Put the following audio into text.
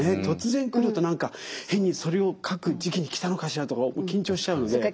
突然来ると何か変にそれを書く時期に来たのかしらとか緊張しちゃうので。